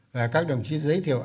và các đồng chí giới thiệu